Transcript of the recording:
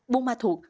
buôn ma thuộc